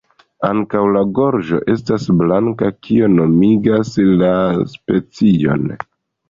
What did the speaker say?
Ankaŭ la gorĝo estas blanka, kio nomigas la specion.